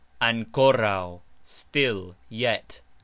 ankoraux : still, yet.